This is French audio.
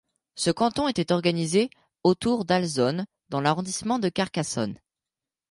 Ce canton était organisé autour d'Alzonne dans l'arrondissement de Carcassonne.